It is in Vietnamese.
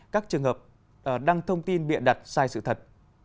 các trường hợp đăng thông tin bịa đặt sai sự thật